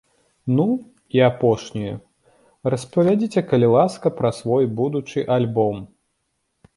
Ну, і апошняе, распавядзіце, калі ласка, пра свой будучы альбом.